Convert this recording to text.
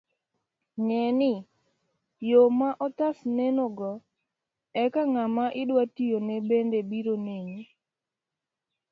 Ng'eni, yo ma otas nenogo, eka ng'ama idwa tiyone bende biro neni